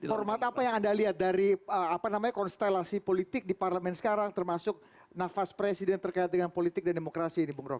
format apa yang anda lihat dari konstelasi politik di parlemen sekarang termasuk nafas presiden terkait dengan politik dan demokrasi ini bung rok